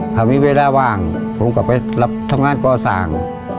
ถ้ามีเวลาว่างผมก็ไปรับทำงานก่อสร้าง